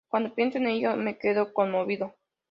Cuando pienso en ello, me quedo conmovido.